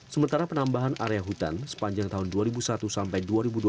sementara penambahan area hutan sepanjang tahun dua ribu satu sampai dua ribu dua puluh